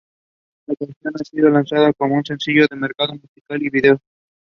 His doctoral students include Nalini Anantharaman.